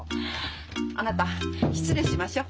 あなた失礼しましょ。